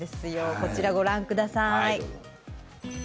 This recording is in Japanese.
こちらを御覧ください。